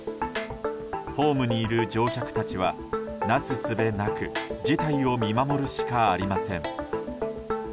ホームにいる乗客たちはなすすべなく事態を見守るしかありません。